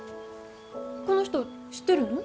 この人知ってるの？